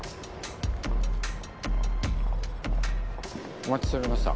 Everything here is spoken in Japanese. お待ちしておりました